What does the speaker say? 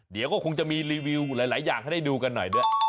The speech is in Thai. เดี๋ยวก็คงจะมีรีวิวหลายอย่างให้ได้ดูกันหน่อยด้วย